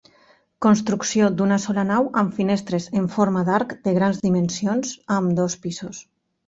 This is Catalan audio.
Construcció d'una sola nau amb finestres en forma d'arc de grans dimensions a ambdós pisos.